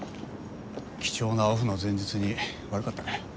貴重なオフの前日に悪かったね。